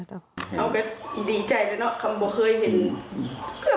เอาแบบนี้ดีใจเลยนะคำบอกเคยเห็น